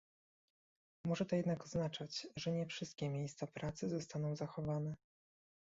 Może to jednak oznaczać, że nie wszystkie miejsca pracy zostaną zachowane